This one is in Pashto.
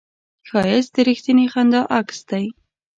ښایست د رښتینې خندا عکس دی